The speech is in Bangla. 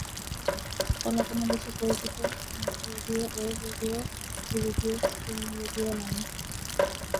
কোনো কোনো দেশে পরিচিত net radio, web radio, e radio, streaming radio নামে।